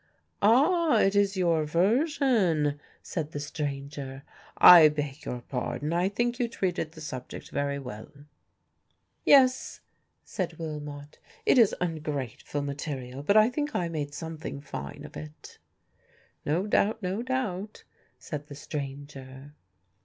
"Ah! it is your version!" said the stranger. "I beg your pardon, I think you treated the subject very well." "Yes," said Willmott, "it is ungrateful material, but I think I made something fine of it." "No doubt, no doubt," said the stranger.